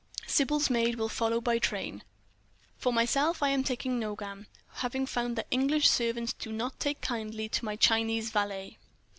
Sybil's maid will follow by train. For myself, I am taking Nogam—having found that English servants do not take kindly to my Chinese valet."